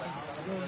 lực lượng công an